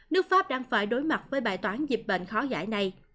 nước pháp đang phải đối mặt với bài toán dịch bệnh khó giải này